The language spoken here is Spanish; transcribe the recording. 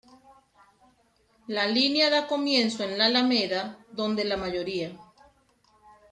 La línea da comienzo en la Alameda, donde la mayoría.